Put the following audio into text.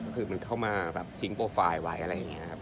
ก็คือมันเข้ามาแบบทิ้งโปรไฟล์ไว้อะไรอย่างนี้ครับ